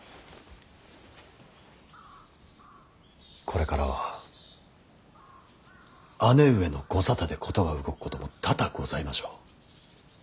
これからは姉上のご沙汰で事が動くことも多々ございましょう。